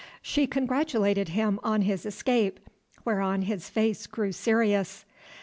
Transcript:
She congratulated him on his escape, whereon his face grew serious.